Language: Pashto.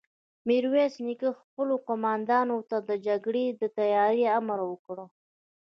ميرويس نيکه خپلو قوماندانانو ته د جګړې د تياري امر وکړ.